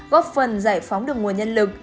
góp phần giải phóng được nguồn nhân lực